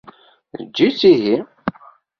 Eǧǧ-itt ihi.